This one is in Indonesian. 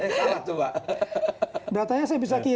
nggak ada kan hukuman mati dibatalkan